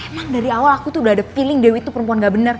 emang dari awal aku tuh udah ada feeling dewi itu perempuan gak bener